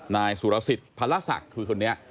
นายสุรสิทธิ์พระรศักดิ์คือคนนี้